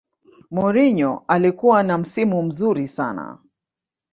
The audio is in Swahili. mourinho alikuwa na msimu mzuri sana